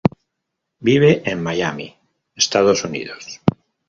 Vive en Miami, Estados Unidos.